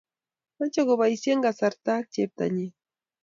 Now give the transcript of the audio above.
mochei koboisie kasarta ak cheptonyin